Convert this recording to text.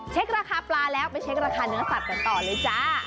ราคาปลาแล้วไปเช็คราคาเนื้อสัตว์กันต่อเลยจ้า